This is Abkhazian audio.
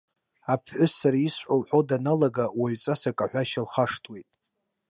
Аԥҳәыс сара исҳәо лҳәо даналага, уаҩҵас акы аҳәашьа лхашҭуеит.